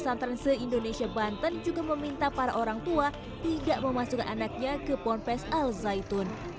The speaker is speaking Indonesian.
pesantren se indonesia banten juga meminta para orang tua tidak memasukkan anaknya ke ponpes al zaitun